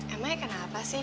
emangnya kenapa sih